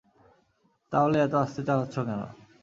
তাহলে এত আস্তে চালাচ্ছ কেন?